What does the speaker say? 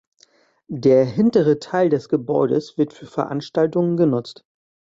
Der hintere Teil des Gebäudes wird für Veranstaltungen genutzt.